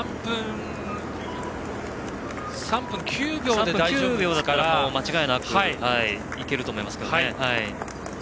３分９秒だと間違いなく行けると思いますけどね。